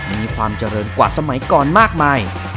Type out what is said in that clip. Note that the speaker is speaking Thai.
มีความเจริญกว่าสมัยก่อนมากมาย